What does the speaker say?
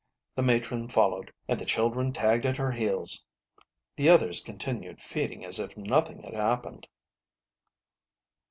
The matron followed, and the children tagged at her heels. The others continued feeding as if nothing had happened.